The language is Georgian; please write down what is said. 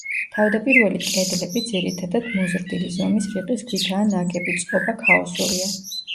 თავდაპირველი კედლები, ძირითადად, მოზრდილი ზომის რიყის ქვითაა ნაგები, წყობა ქაოსურია.